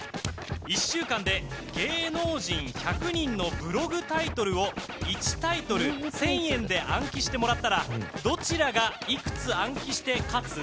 １週間で芸能人１００人のブログタイトルを１タイトル１０００円で暗記してもらったらどちらがいくつ暗記して勝つ？